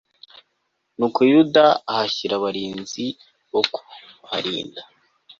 nuko yuda ahashyira abarinzi bo kuharinda